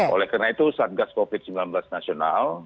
oleh karena itu satgas covid sembilan belas nasional